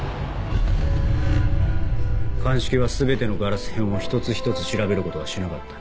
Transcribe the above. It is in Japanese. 鑑識は全てのガラス片を一つ一つ調べることはしなかった。